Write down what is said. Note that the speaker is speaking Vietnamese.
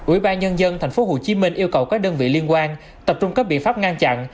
ủy ban nhân dân tp hcm yêu cầu các đơn vị liên quan tập trung các biện pháp ngăn chặn